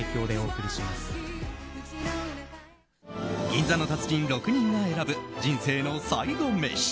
銀座の達人６人が選ぶ人生の最後メシ。